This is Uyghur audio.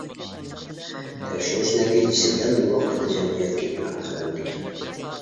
تەكشۈرۈش نەتىجىسى دەل ۋاقتىدا جەمئىيەتكە ئېلان قىلىنىدىكەن.